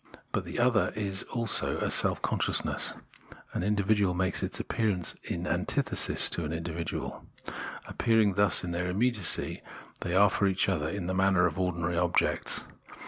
But the other is also a self consciousness ; an individual makes its appearance in antithesis to an individual. Appearing thus in their immediacy, they are for each other in the manner of ordinary objects.